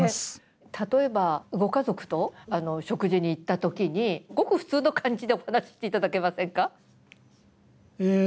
例えばご家族と食事に行ったときにごく普通の感じでお話ししていただけませんか？